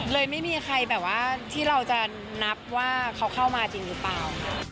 เลยไม่มีใครแบบว่าที่เราจะนับว่าเขาเข้ามาจริงหรือเปล่า